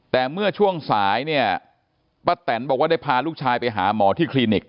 แต่เมื่อช่วงสายเนี่ยป้าแตนบอกว่าได้พาลูกชายไปหาหมอที่คลินิก